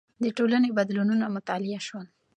د ټولنې بدلونونه مطالعه شول.